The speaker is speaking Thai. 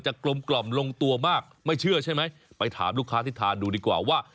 กลมกล่อมลงตัวมากไม่เชื่อใช่ไหมไปถามลูกค้าที่ทานดูดีกว่าว่า